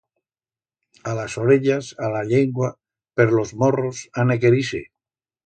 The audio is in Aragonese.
A las orellas, a la llengua, per los morros, ane querise.